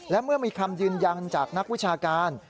และเมื่อมีคำยืนยันจากนักวิชาการ